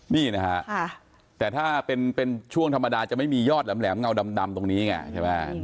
นี่นะฮะแต่ถ้าเป็นช่วงธรรมดาจะไม่มียอดแหลมเงาดำตรงนี้ไงใช่ไหม